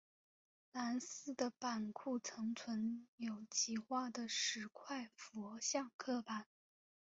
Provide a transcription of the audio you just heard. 南寺的版库曾存有其画的十块佛像刻版。